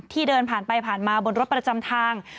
เดินผ่านไปผ่านมาบนรถประจำทาง